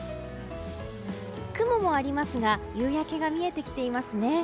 雲もありますが夕焼けが見えてきていますね。